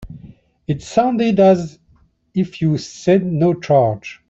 It sounded as if you said no charge.